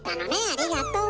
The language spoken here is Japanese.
ありがとう。